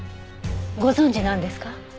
ご存じなんですか？